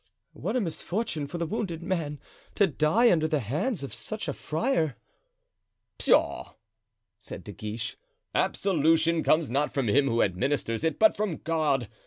"What a misfortune for the wounded man to die under the hands of such a friar!" "Pshaw!" said De Guiche. "Absolution comes not from him who administers it, but from God.